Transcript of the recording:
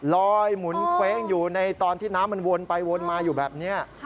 หมุนเว้งอยู่ในตอนที่น้ำมันวนไปวนมาอยู่แบบนี้